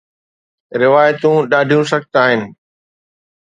روايتون ڏاڍيون سخت آهن